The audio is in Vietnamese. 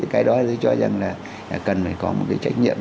cái đó tôi cho rằng là cần phải có một cái trách nhiệm